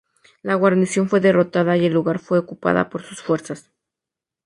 La guarnición fue derrotada y el lugar fue ocupada por sus fuerzas.